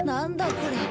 これ。